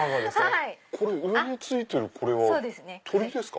上についてるこれは鳥ですか？